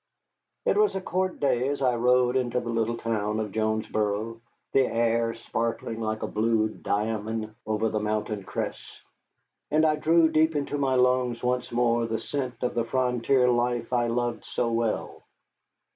It was court day as I rode into the little town of Jonesboro, the air sparkling like a blue diamond over the mountain crests, and I drew deep into my lungs once more the scent of the frontier life I had loved so well.